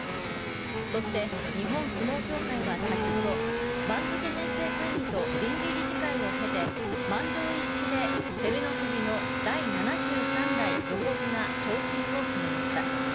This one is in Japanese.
そして日本相撲協会は先ほど番付編成会議と臨時理事会を経て、満場一致で照ノ富士の第７３代横綱昇進を決めました。